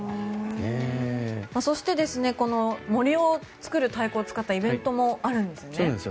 そして、森をつくる太鼓を使ったイベントもあるんですよね。